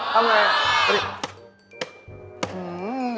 ทำไง